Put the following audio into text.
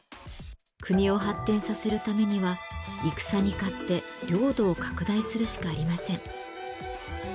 国を発展させるためには戦に勝って領土を拡大するしかありません。